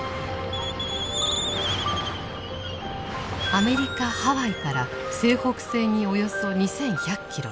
アメリカ・ハワイから西北西におよそ２１００キロ。